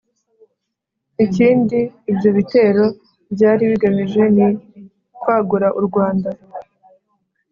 ikindi ibyo bitero byari bigamije ni kwagura u rwanda